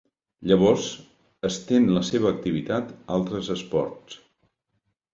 Llavors, estén la seva activitat a altres esports.